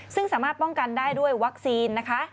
ซึ่งสามารถป้องกันได้ด้วยวัคซีนนะคะ